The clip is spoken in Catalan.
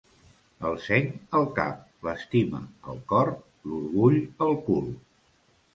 El seny, al cap; l'estima, al cor; l'orgull, al cul.